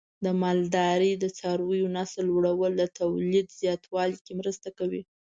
د مالدارۍ د څارویو نسل لوړول د تولید زیاتوالي کې مرسته کوي.